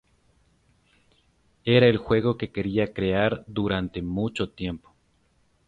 Era el juego que quería crear durante mucho tiempo.